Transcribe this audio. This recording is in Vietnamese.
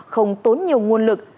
không tốn nhiều nguồn lực